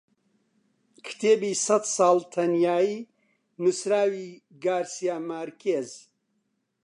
کتێبی سەد ساڵ تەنیایی نووسراوی گارسیا مارکێز